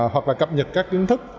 hoặc là cập nhật các kiến thức